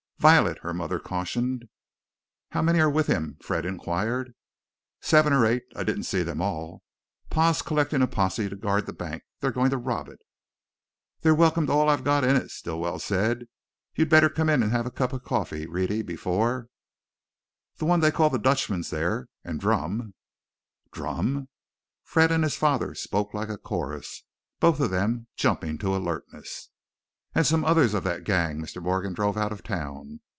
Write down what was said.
"Violet!" her mother cautioned. "How many are with him?" Fred inquired. "Seven or eight I didn't see them all. Pa's collecting a posse to guard the bank they're going to rob it!" "They're welcome to all I've got in it," Stilwell said. "You better come in and have a cup of coffee, Rhetty, before " "The one they call the Dutchman's there, and Drumm " "Drumm?" Fred and his father spoke like a chorus, both of them jumping to alertness. "And some others of that gang Mr. Morgan drove out of town.